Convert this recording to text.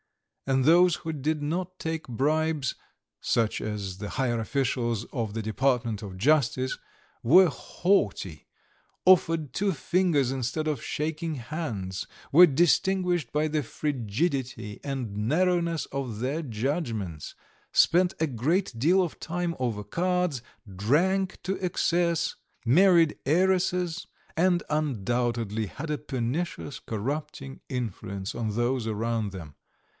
And those who did not take bribes, such as the higher officials of the Department of Justice, were haughty, offered two fingers instead of shaking hands, were distinguished by the frigidity and narrowness of their judgments, spent a great deal of time over cards, drank to excess, married heiresses, and undoubtedly had a pernicious corrupting influence on those around them.